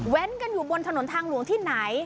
กันอยู่บนถนนทางหลวงที่ไหน